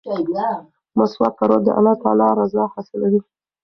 مسواک کارول د الله تعالی رضا حاصلوي.